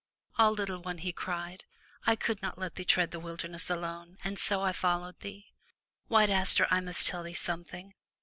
Ah, little one,'* he cried, I could not let thee thread the wilderness alone, and so I followed thee. White Aster, I must tell thee something.